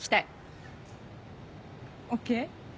ＯＫ。